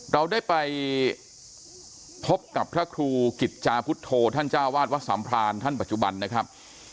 เราได้ไปพบกับพระครูกิจจาพุทธโธท่านเจ้าวาดวัดสัมพรานท่านปัจจุบันนะครับ